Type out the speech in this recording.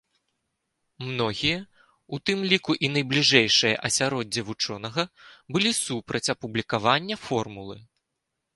Многія, у тым ліку і найбліжэйшае асяроддзе вучонага, былі супраць апублікавання формулы.